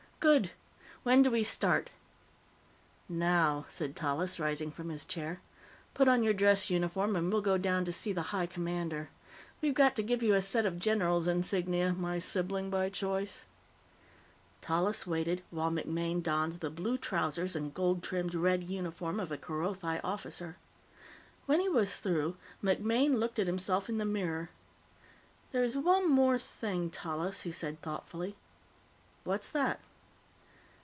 "Good. When do we start?" "Now," said Tallis rising from his chair. "Put on your dress uniform, and we'll go down to see the High Commander. We've got to give you a set of general's insignia, my sibling by choice." Tallis waited while MacMaine donned the blue trousers and gold trimmed red uniform of a Kerothi officer. When he was through, MacMaine looked at himself in the mirror. "There's one more thing, Tallis," he said thoughtfully. "What's that?"